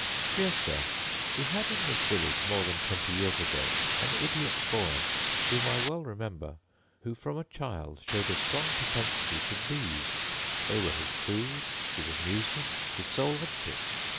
Dear Sir, We had in this village more than twenty years ago an idiot boy, whom I well remember, who, from a child, showed a strong propensity to bees; they were his food, his amusement, his sole object.